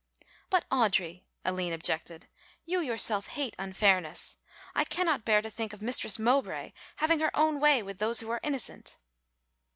"But, Audry," Aline objected, "you yourself hate unfairness; and I cannot bear to think of Mistress Mowbray having her own way with those who are innocent."